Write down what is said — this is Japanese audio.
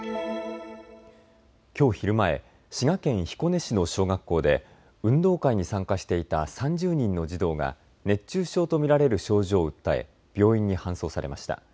きょう昼前、滋賀県彦根市の小学校で運動会に参加していた３０人の児童が熱中症と見られる症状を訴え病院に搬送されました。